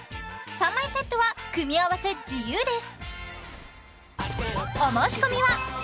３枚セットは組み合わせ自由です